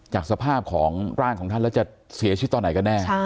จากสภาพของร่างของท่านแล้วจะเสียชีวิตตอนไหนกันแน่